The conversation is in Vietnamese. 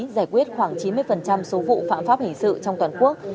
giải quyết khoảng chín mươi số vụ phạm pháp hình sự trong toàn quốc